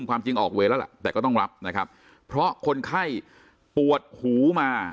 ความจริงออกเวรแล้วล่ะแต่ก็ต้องรับนะครับเพราะคนไข้ปวดหูมา